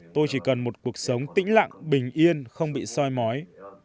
tôi chỉ cần một cuộc sống tĩnh lặng bình yên không bị soi mói